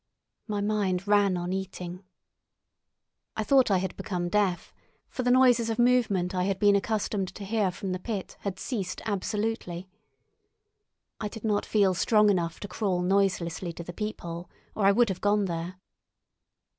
My mind ran on eating. I thought I had become deaf, for the noises of movement I had been accustomed to hear from the pit had ceased absolutely. I did not feel strong enough to crawl noiselessly to the peephole, or I would have gone there.